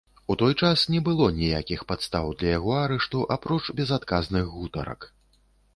У той час не было ніякіх падстаў для яго арышту, апроч безадказных гутарак.